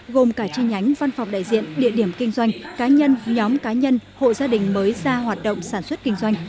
gồm cả chi nhánh văn phòng đại diện địa điểm kinh doanh cá nhân nhóm cá nhân hộ gia đình mới ra hoạt động sản xuất kinh doanh